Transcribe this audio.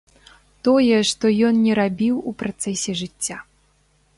Тое, што ён не рабіў у працэсе жыцця.